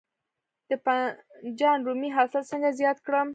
د بانجان رومي حاصل څنګه زیات کړم؟